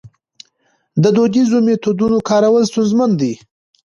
د دودیزو میتودونو کارول ستونزمن دي.